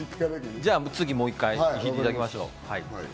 次、もう一回、引いていただきましょう。